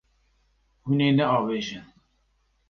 Hûn ê neavêjin.